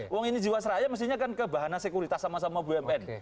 uang ini jiwasraya mestinya kan ke bahana sekuritas sama sama bumn